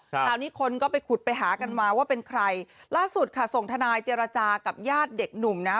คราวนี้คนก็ไปขุดไปหากันมาว่าเป็นใครล่าสุดค่ะส่งทนายเจรจากับญาติเด็กหนุ่มนะ